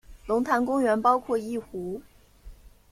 龙潭公园包括一湖。